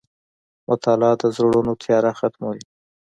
• مطالعه د زړونو تیاره ختموي.